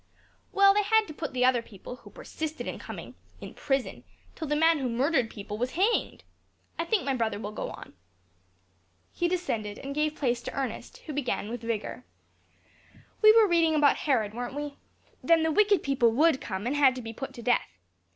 "Well, they had to put the other people, who persisted in coming, in prison, till the man who murdered people was hanged. I think my brother will go on." He descended, and gave place to Ernest, who began with vigor. "We were reading about Herod, weren't we? Then the wicked people would come, and had to be put to death.